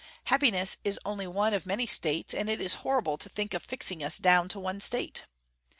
Happiness is only one of many states, and it is horrible to think of fixing us down to one state.